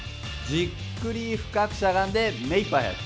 じっくり深くしゃがんで目いっぱい速く。